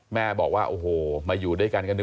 แม่บอกว่าโอ้โหมาอยู่ด้วยกันกัน